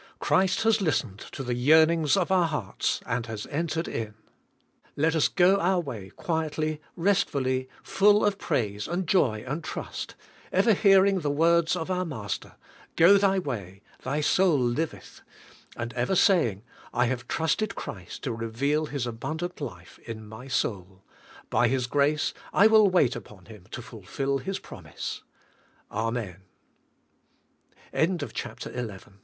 Christ has listened to the yearnings of our hearts and has entered in. Let us go our way quietly, restfully, full of praise, and joy, and trust; ever hearing the words of our Master, "Go thy way, thy soul liveth ;'' and ever saying, "I have trusted Christ to reveal His abundant life in my soul; by His grace I will w